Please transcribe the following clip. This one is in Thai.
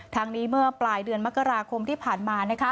ทางนี้เมื่อปลายเดือนมกราคมที่ผ่านมา